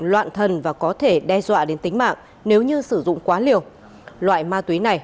loạn thần và có thể đe dọa đến tính mạng nếu như sử dụng quá liều loại ma túy này